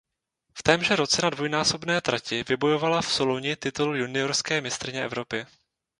V témže roce na dvojnásobné trati vybojovala v Soluni titul juniorské mistryně Evropy.